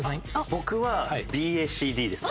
僕はＢＡＣＤです。